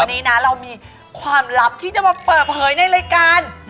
วันนี้นะเรามีความลับที่จะมาเปิดเผยในรายการ